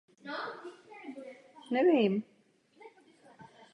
Na východním okraji navazovaly na park užitková zahrada a bažantnice.